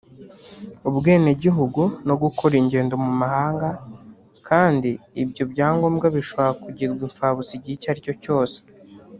ubwenegihugu no gukora ingendo mu mahanga kandi ibyo byangombwa bishobora kugirwa impfabusa igihe icyo ari cyo cyose